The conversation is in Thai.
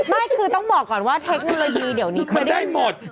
ไม่คือต้องบอกก่อนว่าเทคโนโลยีเดี๋ยวนี้ไม่ได้หมด